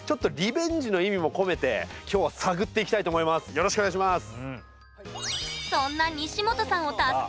よろしくお願いします。